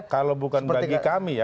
kalau bukan bagi kami ya